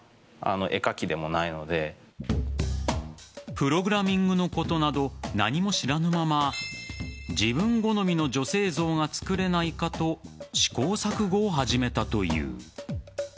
プログラミングのことなど何も知らぬまま自分好みの女性像がつくれないかと試行錯誤を始めたという。